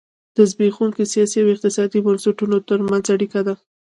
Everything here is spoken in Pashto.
د زبېښونکو سیاسي او اقتصادي بنسټونو ترمنځ اړیکه ده.